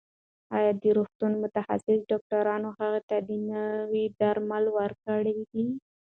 ایا د روغتون متخصص ډاکټرانو هغې ته نوي درمل ورکړي دي؟